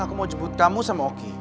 aku mau jemput kamu sama oki